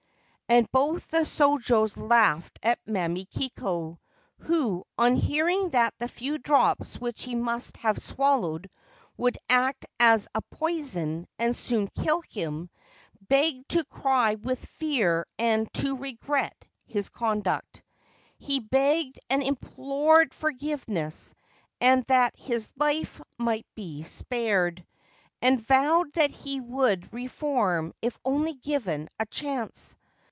And both the shojos laughed at Mamikiko, who, on hearing that the few drops which he must have swallowed would act as poison and soon kill him, began to cry with fear and to regret his conduct. He begged and implored forgiveness and that his life might be spared, and vowed that he would reform if only given a chance.